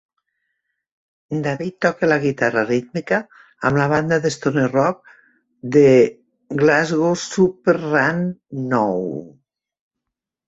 David toca la guitarra rítmica amb la banda de stoner rock de Glasgow Superunknown.